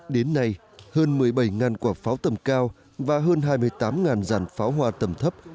đến nay hơn một mươi bảy quả pháo tầm cao và hơn hai mươi tám dàn pháo hoa tầm thấp